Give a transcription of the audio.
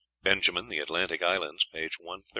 (Benjamin, "The Atlantic Islands," p. 130.) 12.